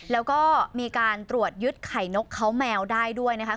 แล้วก็มีการตรวจยึดไข่นกเขาแมวได้ด้วยนะคะ